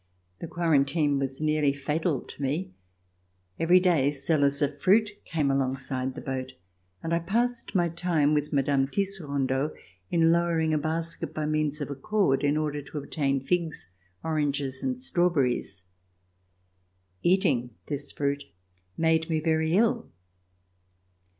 The quarantine was nearly fatal to me. Every day sellers of fruit came alongside the boat, and I passed my time with Mme. Tisserandot in lowering a basket DEPARTURE FOR EUROPE by means of a cord in order to obtain figs, oranges and strawberries. Eating this fruit made me very ill.